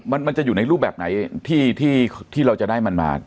มันจะอยู่ในรูปแบบไหนที่เราจะได้มันมา